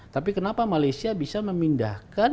tapi kenapa malaysia bisa memindahkan